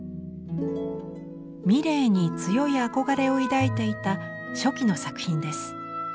ミレーに強い憧れを抱いていた初期の作品です。